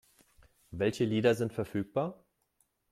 Welche Lieder sind verfügbar?